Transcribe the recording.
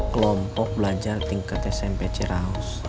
kelompok belajar tingkat smp ciraus